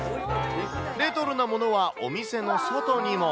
レトロなものは、お店の外にも。